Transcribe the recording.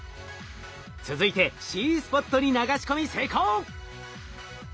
続いてＣスポットに流し込み成功。